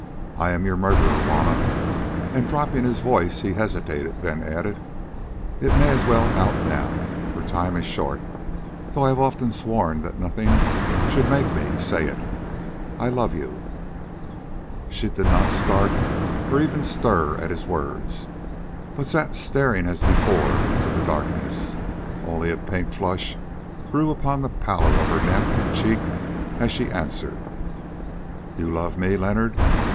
I am your murderer, Juanna," and dropping his voice he hesitated, then added: "It may as well out now, for time is short, though I have often sworn that nothing should make me say it: I love you." She did not start or even stir at his words, but sat staring as before into the darkness: only a pink flush grew upon the pallor of her neck and cheek as she answered: "You love me, Leonard?